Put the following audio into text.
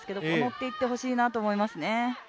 ッていってほしいなと思いますね。